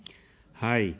はい。